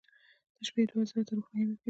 • د شپې دعا زړه ته روښنایي ورکوي.